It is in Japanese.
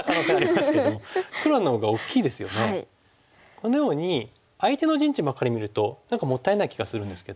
このように相手の陣地ばっかり見ると何かもったいない気がするんですけども。